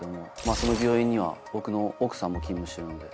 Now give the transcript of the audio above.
その病院には僕の奥さんも勤務してるので。